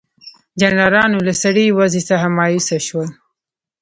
جنرالانو له سړې وضع څخه مایوس شول.